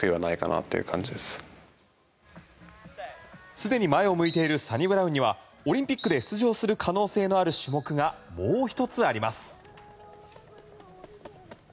すでに前を向いているサニブラウンにはオリンピックで出場する可能性のある種目がもう１つあります。